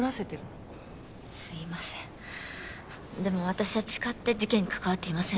私は誓って事件に関わっていません